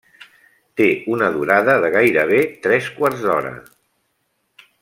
Té una durada de gairebé tres quarts d'hora.